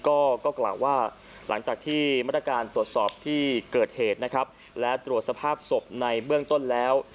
ก็กล่าวว่าหลังจากที่มาตรการตรวจสอบที่เกิดเหตุนะครับและตรวจสภาพศพในเบื้องต้นแล้ว